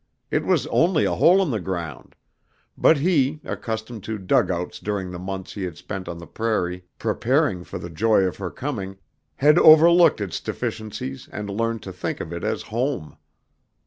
It was only a hole in the ground; but he, accustomed to dugouts during the months he had spent on the prairie preparing for the joy of her coming, had overlooked its deficiencies and learned to think of it as home.